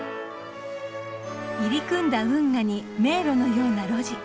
入り組んだ運河に迷路のような路地。